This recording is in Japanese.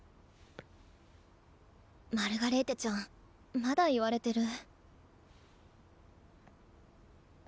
マルガレーテちゃんまだ言われてる。